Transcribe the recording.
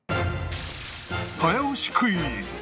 早押しクイズ！